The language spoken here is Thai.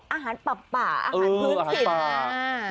อาหารปลาป่าอาหารพื้นสิน